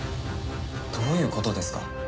どういう事ですか？